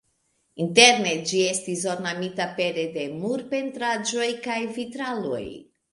Interne ĝi estis ornamita pere de murpentraĵoj kaj vitraloj.